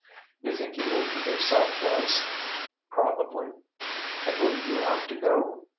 "You think he will produce out West?" "Probably." "And will you have to go?"